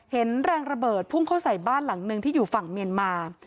เห็นแรงระเบิดพุ่งเข้าใส่บ้านหลังนึงที่อยู่ฝั่งเมียนมา